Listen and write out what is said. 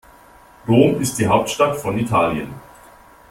Rom ist die Hauptstadt von Italien.